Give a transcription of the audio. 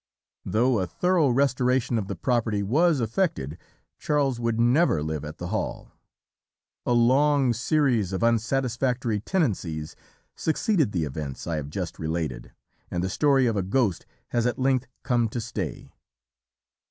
"Though a thorough restoration of the property was effected, Charles would never live at the Hall. A long series of unsatisfactory tenancies succeeded the events I have just related, and the story of a ghost has at length come to stay.